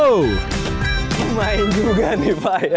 oh main juga nih pak ya